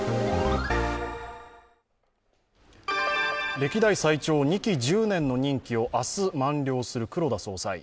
歴代最長２期１０年の任期を明日満了する黒田総裁。